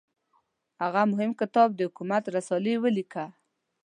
هغه مهم کتاب د حکومت رسالې ولیکه.